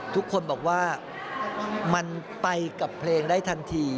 ทุกคนบอกว่ามันไปกับเพลงได้ทันที